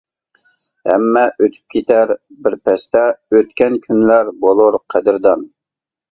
ھەممە ئۆتۈپ كېتەر بىر پەستە ئۆتكەن كۈنلەر بولۇر قەدىردان.